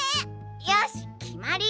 よしきまり！